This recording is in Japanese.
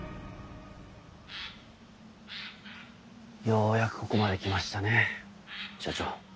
ようやくここまで来ましたね社長。